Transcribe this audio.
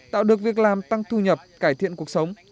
tạo được việc làm tăng thu nhập cải thiện cuộc sống